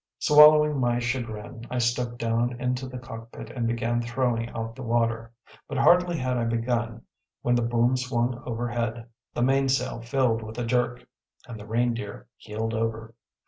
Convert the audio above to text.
Swallowing my chagrin, I stepped down into the cockpit and began throwing out the water. But hardly had I begun, when the boom swung overhead, the mainsail filled with a jerk, and the Reindeer heeled over.